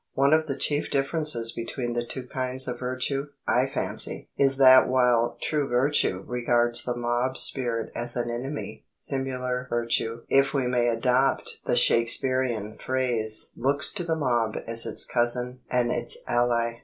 One of the chief differences between the two kinds of virtue, I fancy, is that while true virtue regards the mob spirit as an enemy, simular virtue (if we may adopt the Shakespearean phrase) looks to the mob as its cousin and its ally.